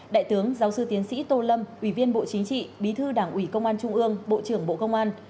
đại tướng giáo sư tiến sĩ tô lâm ủy viên bộ chính trị bí thư đảng ủy công an trung ương bộ trưởng bộ công an